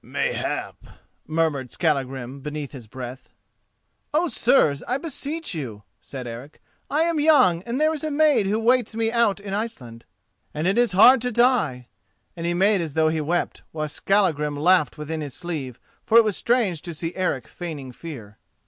"Mayhap!" murmured Skallagrim beneath his breath. "Oh, sirs, I beseech you," said Eric; "I am young, and there is a maid who waits me out in Iceland, and it is hard to die," and he made as though he wept, while Skallagrim laughed within his sleeve, for it was strange to see Eric feigning fear.